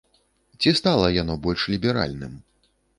Ці стала яно больш ліберальным?